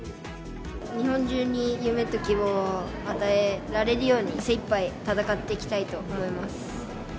日本中に夢と希望を与えられるように、精いっぱい戦っていきたいと思います。